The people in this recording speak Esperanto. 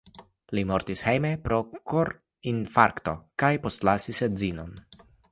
Li mortis hejme pro korinfarkto kaj postlasis edzinon.